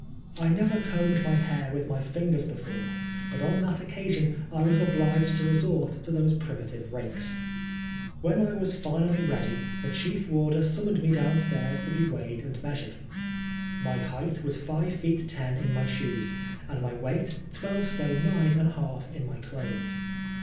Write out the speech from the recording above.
I never combed my hair with my fingers before, but on that occasion I was obliged to resort to those primitive rakes. When I was finally ready, the chief warder sum moned me downstairs to be weighed and measured. My height was five feet ten in my shoes, and my weight twelve stone nine and a half in my clothes.